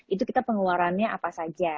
itu kita pengeluarannya apa saja